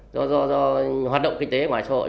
do hoạt động kinh tế ngoài xã hội